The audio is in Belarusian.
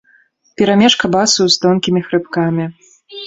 Перамешка басу з тонкімі хрыпкамі.